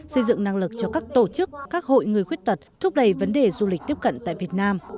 xây dựng năng lực cho các tổ chức các hội người khuyết tật thúc đẩy vấn đề du lịch tiếp cận tại việt nam